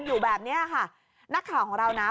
อยู่แบบนี้เสียงทะเลาะ